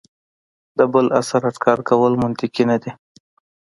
د بل عصر اټکل کول منطقي نه دي.